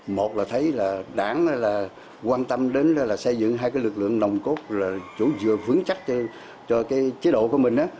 một là thấy đảng quan tâm đến xây dựng hai lực lượng nồng cốt chủ dựa vững chắc cho chế độ của mình